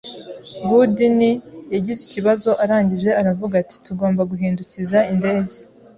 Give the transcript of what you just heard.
Gudni yagize ikibazo arangije aravuga ati tugomba guhindukiza indege